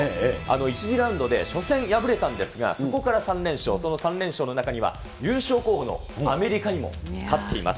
１次ラウンドで初戦敗れたんですが、そこから３連勝、その３連勝の中には、優勝候補のアメリカにも勝っています。